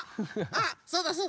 あそうだそうだ。